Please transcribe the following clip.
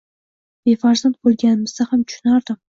Befarzand bo`lganimizda ham tushunardim